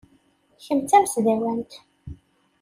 Kemm d tamesdawant.